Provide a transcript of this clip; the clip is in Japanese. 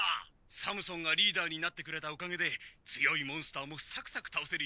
・サムソンがリーダーになってくれたおかげで強いモンスターもサクサクたおせるようになりましたね。